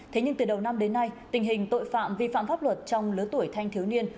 thế nhưng từ đầu năm đến nay tình hình tội phạm vi phạm pháp luật trong lứa tuổi thanh thiếu niên